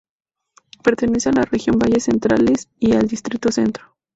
Pertenece a la región valles Centrales y al distrito Centro.